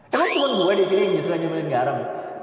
emang temen gue disini yang suka nyemilin garam